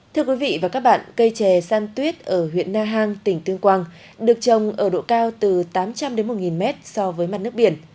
thưa quý vị và các bạn cây chè san tuyết ở huyện na hàng tỉnh tương quang được trồng ở độ cao từ tám trăm linh đến một mét so với mặt nước biển